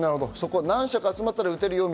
何社か集まったら打てるよみ